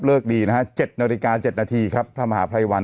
เลิกดีนะฮะเจ็ดนาฬิกาเจ็ดนาทีครับพระมหาพลัยวัน